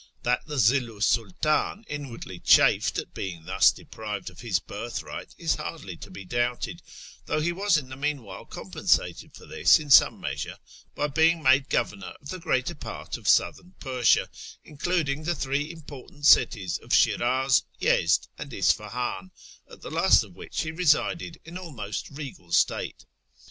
That the ZiUn 's SuUdu inwardly chafed at being thus deprived of his birthright is hardly to be doubted, though he was in the meanwhile compensated for this in some measure ])y being made governor of the greater part of Southern Persia, including the three important cities of Shi'raz, Yezd, and Isfahan, at the last of which he resided in almost regal state.